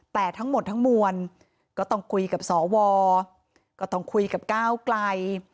แต่ทั้งหมดทั้งมวลก็ต้องคุยกับสวก็ต้องคุยกับก้าวไกล